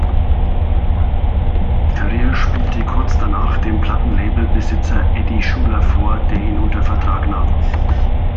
Ferrier spielte kurz danach dem Plattenlabel-Besitzer Eddie Shuler vor, der ihn unter Vertrag nahm.